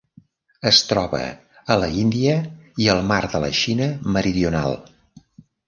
Es troba a l'Índia i al Mar de la Xina Meridional.